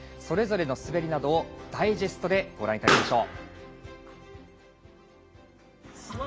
それぞれの滑りなどをダイジェストでご覧いただきましょう。